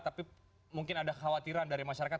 tapi mungkin ada kekhawatiran dari masyarakat